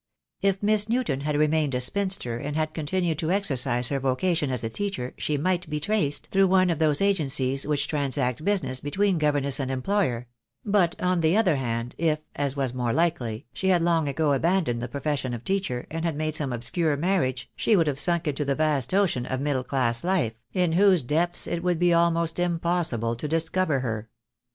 If Miss Newton had remained a spinster and had continued to exercise her vocation as a teacher she might be traced through one of those agencies which transact business be tween governess and employer; but, on the other hand, if, as was more likely, she had long ago abandoned the profession of teacher, and had made some obscure mar riage, she would have sunk into the vast ocean of middle class life, in whose depths it would be almost impossible to discover her.